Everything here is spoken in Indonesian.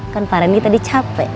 kan pak randy tadi capek